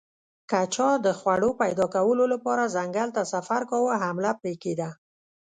که چا د خوړو پیدا کولو لپاره ځنګل ته سفر کاوه حمله پرې کېده